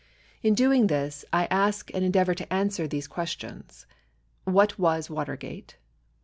In doing this, I ask and endeavor to answer these questions : What was Watergate?